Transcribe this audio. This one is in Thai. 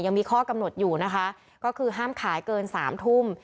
ยังมีข้อกำหนดอยู่นะคะก็คือห้ามขายเกินสามทุ่ม